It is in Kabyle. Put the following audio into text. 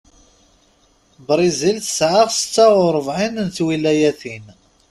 Brizil tespwa setta-uɛerin n twilayatin.